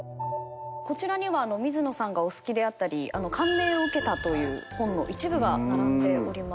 こちらには水野さんがお好きであったり感銘を受けたという本の一部が並んでおります。